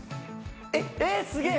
えっすげぇ！